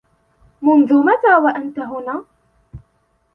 منذ متى وأنت هنا ؟